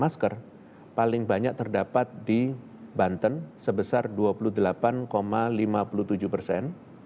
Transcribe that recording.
masker paling banyak terdapat di banten sebesar dua puluh delapan lima puluh tujuh persen